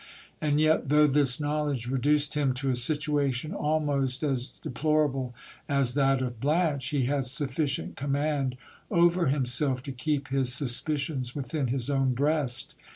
And yet, though this knowledge reduced him to a situation almost as deplorable as that of Blanche, he had sufficient command over himself to keep his suspicions within his own breast.